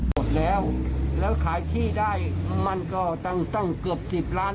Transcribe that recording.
หมดแล้วแล้วขายที่ได้มันก็ตั้งตั้งเกือบ๑๐ล้าน